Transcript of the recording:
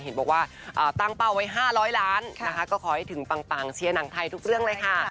เห็นบอกว่าตั้งเป้าไว้๕๐๐ล้านนะคะก็ขอให้ถึงปังเชียร์หนังไทยทุกเรื่องเลยค่ะ